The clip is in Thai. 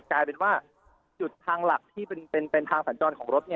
กลายเป็นว่าจุดทางหลักที่เป็นทางสัญจรของรถ